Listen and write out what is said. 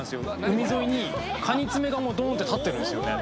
海沿いにカニ爪がもうドーンって立ってるんすよね